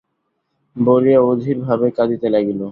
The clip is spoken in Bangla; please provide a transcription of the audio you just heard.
বলিয়া অধীর ভাবে কাঁদিতে লাগিল।